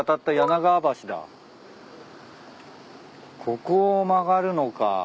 ここを曲がるのか。